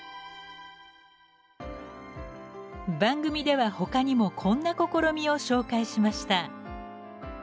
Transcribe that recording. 番組ではほかにもこんな試みを紹介しました。